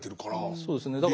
そうですね。